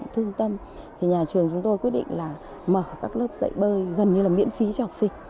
thương tâm nhà trường quyết định mở các lớp dạy bơi gần như miễn phí cho học sinh